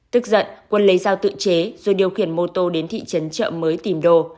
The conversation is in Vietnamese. tức giận quân lấy dao tự chế rồi điều khiển mô tô đến thị trấn trợ mới tìm đồ